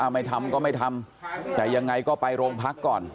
ไม่ทำก็ไม่ทำแต่ยังไงก็ไปโรงพักก่อน